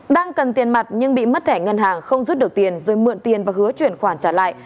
đang cần tiền mặt nhưng bị mất thẻ ngân hàng không rút được tiền rồi mượn tiền và hứa chuyển khoản trả lại